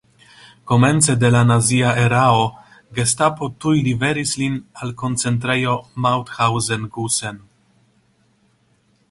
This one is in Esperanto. Komence de la nazia erao Gestapo tuj liveris lin al Koncentrejo Mauthausen-Gusen.